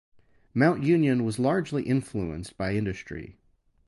Mount Union was largely influenced by industry.